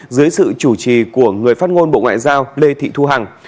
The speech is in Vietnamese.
dưới sự chủ trì của người phát ngôn bộ ngoại giao lê thị thu hằng